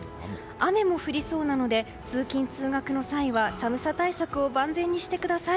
雨も降りそうなので通勤・通学の際は寒さ対策を万全にしてください。